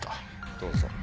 どうぞ。